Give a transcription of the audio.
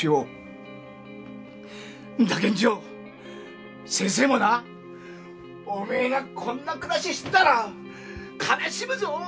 んだけんじょ先生もなおめえがこんな暮らししてたら悲しむぞ！